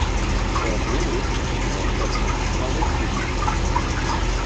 Port Louis ist die Hauptstadt von Mauritius.